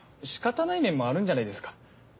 しかたない面もあるんじゃないですか？